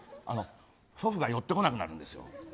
祖父が寄ってこなくなるんですよ。